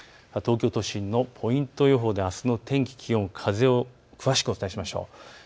東京都心のポイント予報であすの気温、風をご紹介しましょう。